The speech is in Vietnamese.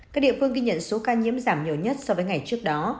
các địa phương ghi nhận số ca nhiễm giảm nhiều nhất so với ngày trước đó